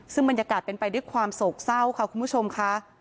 ซึ่งบรรยากาศเป็นไปด้วยความโศกเศร้าค่ะคุณผู้ชมค่ะ